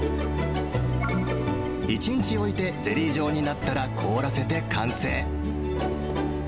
１日置いて、ゼリー状になったら、凍らせて完成。